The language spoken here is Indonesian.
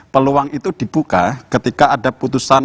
peluang itu dibuka ketika ada putusan